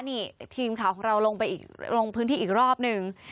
นี่ทีมข่าวของเราลงไปอีกลงพื้นที่อีกรอบหนึ่ง